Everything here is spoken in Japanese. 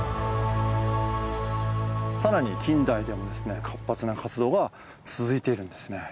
更に近代でも活発な活動が続いているんですね。